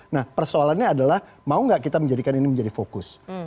nah persoalannya adalah mau nggak kita menjadikan ini menjadi fokus